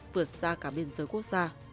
vượt xa cả biên giới quốc gia